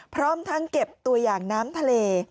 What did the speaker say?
พร้อมทั้งเก็บตัวอย่างน้ำทะเล